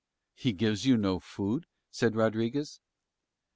"He gives you no food?" said Rodriguez.